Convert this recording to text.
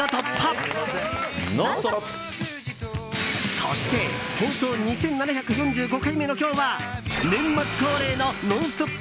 そして放送２７４５回目の今日は年末恒例の「ノンストップ！」